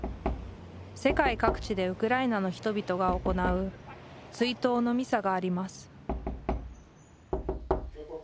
世界各地でウクライナの人々が行う追悼のミサがあります